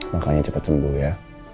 makanya cepat sembuh ya